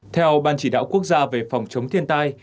theo ban chỉ đạo quốc gia về phòng chống thiên tai